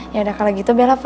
yaudah kalau gitu bella pulang